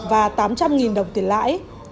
và tám trăm linh đồng tiền lãi